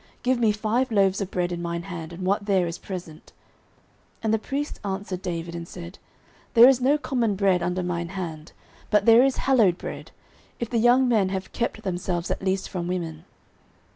give me five loaves of bread in mine hand, or what there is present. 09:021:004 And the priest answered David, and said, There is no common bread under mine hand, but there is hallowed bread; if the young men have kept themselves at least from women.